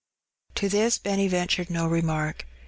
To this Benny ventured no remark.